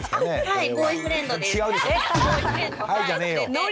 はい。